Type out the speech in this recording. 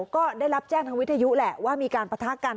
ก็ได้รับแจ้งทางวิทยุแหละว่ามีการปะทะกัน